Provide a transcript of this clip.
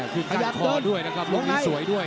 แค่งขอด้วยนะครับลงที่สวยด้วย